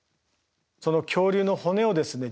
その恐竜の骨をですね